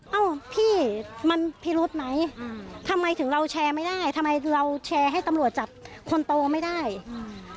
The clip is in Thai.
เอ้าพี่มันพิรุธไหมอืมทำไมถึงเราแชร์ไม่ได้ทำไมเราแชร์ให้ตำรวจจับคนโตไม่ได้อืม